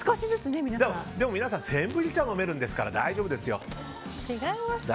でも皆さんセンブリ茶飲めるんですから大丈夫ですよ。